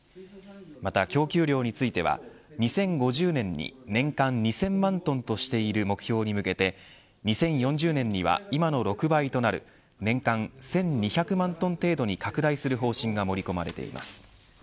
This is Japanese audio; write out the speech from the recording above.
また供給量については２０５０年に年間２０００万トンとしている目標に向けて２０４０年には今の６倍となる年間１２００万トン程度に拡大する方針が盛り込まれています。